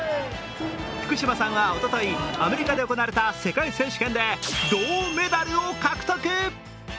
福島さんはおととい、アメリカで行われた世界選手権で銅メダルを獲得。